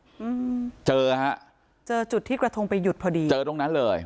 อืมเจอฮะเจอจุดที่กระทงไปหยุดพอดีเจอตรงนั้นเลย